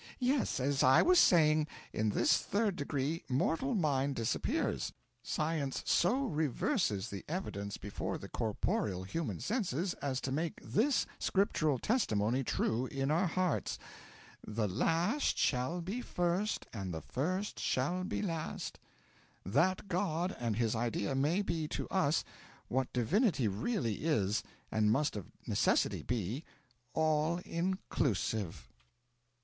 'Yes, as I was saying, in this Third Degree mortal mind disappears. Science so reverses the evidence before the corporeal human senses as to make this scriptural testimony true in our hearts, "the last shall be first and the first shall be last," that God and His idea may be to us what divinity really is, and must of necessity be all inclusive.'